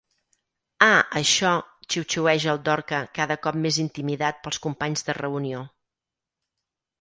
Ah, això —xiuxiueja el Dorca, cada cop més intimidat pels companys de reunió—.